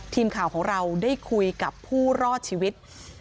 ทีมข่าวของเราได้คุยกับผู้รอดชีวิต